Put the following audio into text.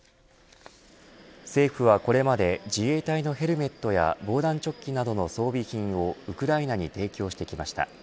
政府はこれまで自衛隊のヘルメットや防弾チョッキなどの装備品をウクライナに提供してきました。